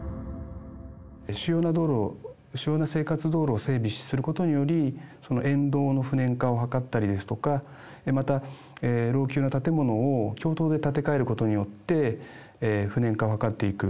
主要な道路、生活道路を整備することにより、その沿道の不燃化を図ったりですとか、また、老朽な建物を共同で建て替えることによって、不燃化を図っていく。